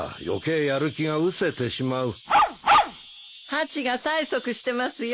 ハチが催促してますよ。